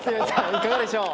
いかがでしょう？